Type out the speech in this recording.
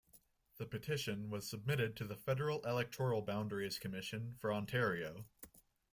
The petition was submitted to the Federal Electoral Boundaries Commission for Ontario.